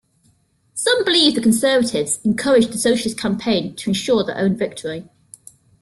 Some believe the Conservatives encouraged the Socialist campaign to ensure their own victory.